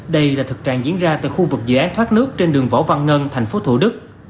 đây là thực trạng diễn ra tại khu vực dự án thoát nước trên đường võ văn ngân tp thủ đức